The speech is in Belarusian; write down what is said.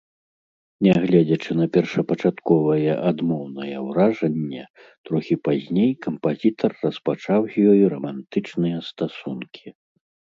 Нягледзячы на першапачатковае адмоўнае ўражанне, трохі пазней кампазітар распачаў з ёй рамантычныя стасункі.